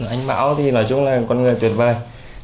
anh mão thì nói chung là con người tuyệt vời